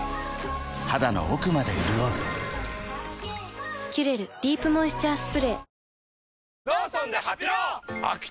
肌の奥まで潤う「キュレルディープモイスチャースプレー」